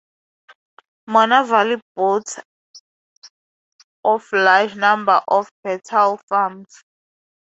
Morna valley boasts of large number of Betel farms.